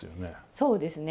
そうですね。